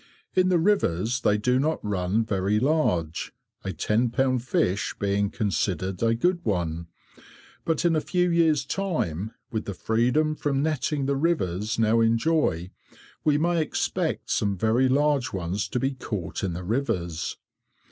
In the rivers they do not run very large, a ten pound fish being considered a good one, but in a few years' time, with the freedom from netting the rivers now enjoy, we may expect some very large ones to be caught in the rivers.